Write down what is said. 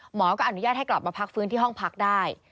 หมอก็อนุญาตให้กลับมาพักฟื้นที่ห้องพักได้